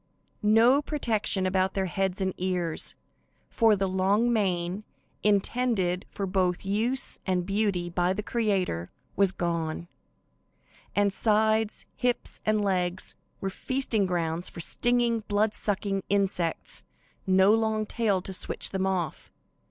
No protection about their heads and ears, for the long mane, intended for both use and beauty by the Creator, was gone, and sides, hips and legs were the feasting ground for stinging, blood sucking insects; no long tail to switch them off.